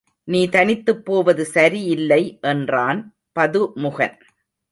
நீ தனித்துப் போவது சரி இல்லை என்றான் பதுமுகன்.